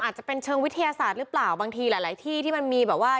อาจจะเป็นเชิงวิทยาศาสตร์หรือเปล่าบางทีหลายที่ที่มันมีแบบว่า